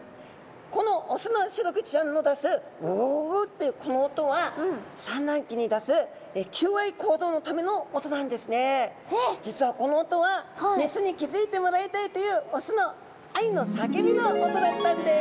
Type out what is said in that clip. このオスのシログチちゃんの出すグゥグゥグゥグゥというこの音は実はこの音はメスに気付いてもらいたいというオスの愛の叫びの音だったんです！